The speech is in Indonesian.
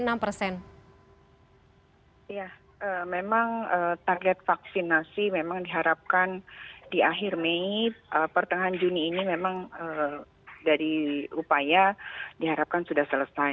ya memang target vaksinasi memang diharapkan di akhir mei pertengahan juni ini memang dari upaya diharapkan sudah selesai